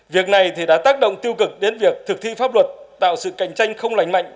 việc này thì đã tác động tiêu cực đến việc thực thi pháp luật tạo sự cạnh tranh không lành mạnh